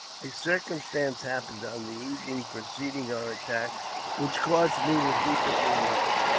A circumstance happened on the evening preceding o attack which caused me the deepest regret.